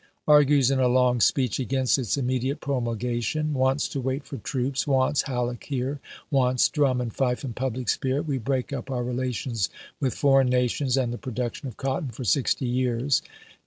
Argues in a long speech against its immediate promulga tion. Wants to wait for troops. Wants Halleck here. Wants drum and fife and public spirit. We break up our relations with foreign nations and the production of cotton for sixty years.